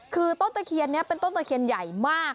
คือต้นตะเคียนนี้เป็นต้นตะเคียนใหญ่มาก